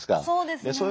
そうですね。